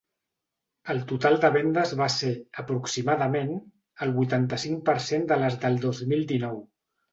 El total de vendes va ser, aproximadament, el vuitanta-cinc per cent de les del dos mil dinou.